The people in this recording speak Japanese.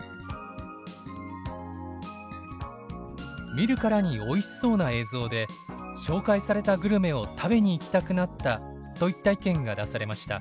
「見るからにおいしそうな映像で紹介されたグルメを食べに行きたくなった」といった意見が出されました。